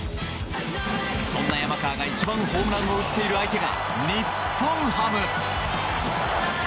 そんな山川が一番ホームランを打っている相手が日本ハム。